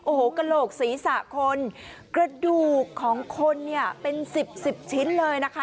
โอ้โหกระโหลกศีรษะคนกระดูกของคนเนี่ยเป็นสิบสิบชิ้นเลยนะคะ